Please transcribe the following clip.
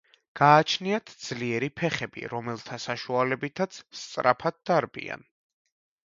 გააჩნიათ ძლიერი ფეხები, რომელთა საშუალებითაც სწრაფად დარბიან.